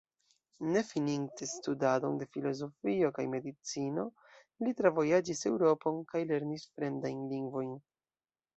Ne fininte studadon de filozofio kaj medicino, li travojaĝis Eŭropon kaj lernis fremdajn lingvojn.